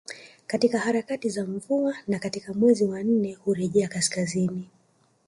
Katika harakati za mvua na katika mwezi wa nne hurejea kaskazini